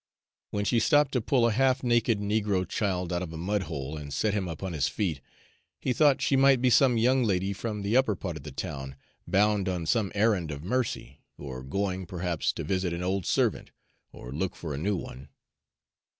When she stopped to pull a half naked negro child out of a mudhole and set him upon his feet, he thought she might be some young lady from the upper part of the town, bound on some errand of mercy, or going, perhaps, to visit an old servant or look for a new one.